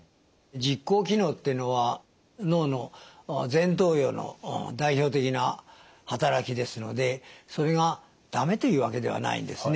実行機能ってのは脳の前頭葉の代表的な働きですのでそれが駄目というわけではないんですね。